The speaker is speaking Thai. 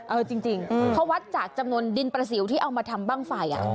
เออจริงเขาวัดจากจำนวนดินประสิวที่เอามาทำบ้างไฟ